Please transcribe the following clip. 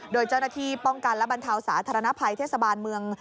โดยเจ้าหน้าที่ป้องกันและบรรเทาสาธารณภัยเทศบาลเมือง